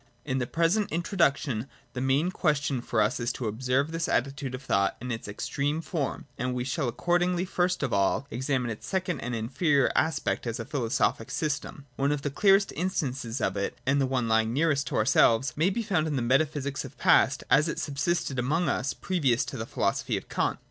In the present in troduction the main question for us is to observe this attitude of thought in its extreme form ; and we shall accordingly first of all examine its second and inferior aspect as a philosophic system. One of the clearest 2 7, 38.J PRE KANTIAN METAPHYSIC. 6 1 instances of it, and one lying nearest to ourselves, may be found in the Metaphysic of the Past as it subsisted among us previous to the philosophy of Kant.